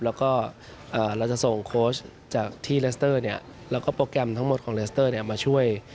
แล้วก็เราจะส่งโค้ชจากที่เลสเตอร์แล้วก็โปรแกรมทั้งหมดของเลสเตอร์มาช่วย